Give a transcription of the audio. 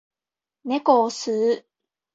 猫を吸う